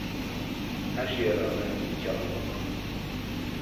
Her şeye rağmen imkânı yok…